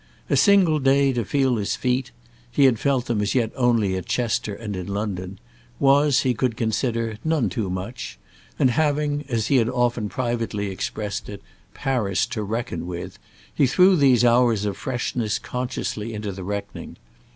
A single day to feel his feet—he had felt them as yet only at Chester and in London—was he could consider, none too much; and having, as he had often privately expressed it, Paris to reckon with, he threw these hours of freshness consciously into the reckoning.